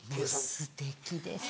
すてきです。